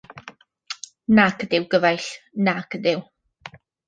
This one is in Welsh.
Nac ydyw, gyfaill, nac ydyw.